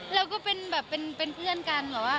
เราก็เป็นเพื่อนกัน